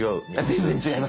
全然違いますね！